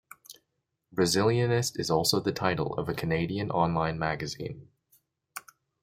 Brazilianist is also the title of a Canadian online magazine.